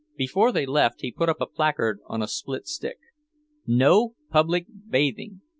Before they left he put up a placard on a split stick. No Public Bathing!!